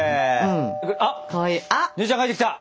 あっ姉ちゃん帰ってきた。